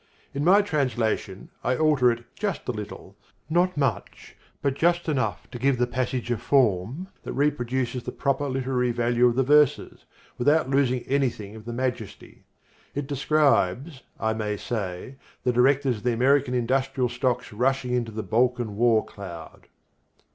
In my translation I alter it just a little, not much but just enough to give the passage a form that reproduces the proper literary value of the verses, without losing anything of the majesty. It describes, I may say, the Directors of the American Industrial Stocks rushing into the Balkan War Cloud.